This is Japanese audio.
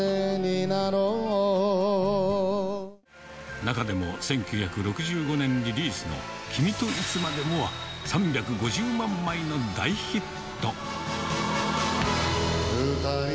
中でも、１９６５年リリースの君といつまでもは、３５０万枚の大ヒット。